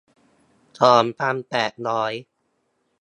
สองพันแปดร้อย